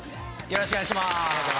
よろしくお願いします。